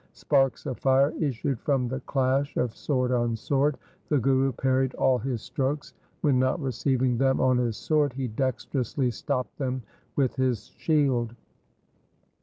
Sparks of fire issued from the clash of sword on sword. The Guru parried all his strokes. When not receiving them on his sword he dexterously stopped them with his shield.